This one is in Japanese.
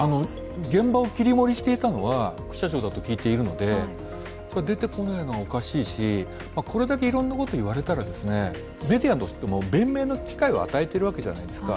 現場を切り盛りしていたのは副社長だと聞いているので出てこないのはおかしいしこれだけいろんなこと言われたらメディアとしても弁明の機会を与えているわけじゃないですか。